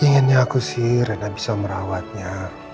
inginnya aku sih reda bisa merawatnya